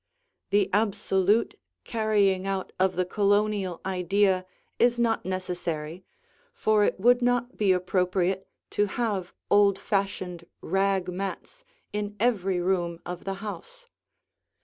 The absolute carrying out of the Colonial idea is not necessary, for it would not be appropriate to have old fashioned rag mats in every room of the house.